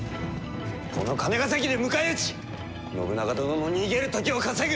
この金ヶ崎で迎え撃ち信長殿の逃げる時を稼ぐ！